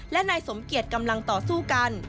และนายสมเกียจกำลังต่อสู้กัน